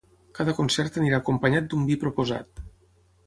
Cada concert anirà acompanyat d’un vi proposat.